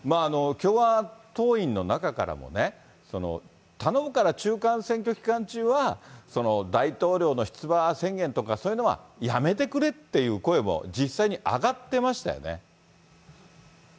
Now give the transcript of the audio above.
共和党員の中からもね、頼むから中間選挙期間中は大統領の出馬宣言とか、そういうのはやめてくれっていう声も、実際に上がってましたよね。